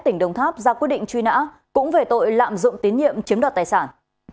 tỉnh đồng tháp ra quyết định truy nã cũng về tội lạm dụng tín nhiệm chiếm đoạt tài sản